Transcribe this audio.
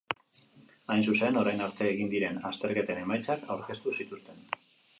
Hain zuzen, orain arte egin diren azterketen emaitzak aurkeztu zituzten.